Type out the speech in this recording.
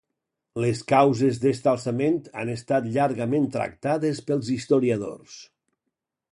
Les causes d'este alçament han estat llargament tractades pels historiadors.